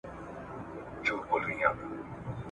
د بخارا سره د احمد شاه ابدالي د سوداګرۍ تړون څه و؟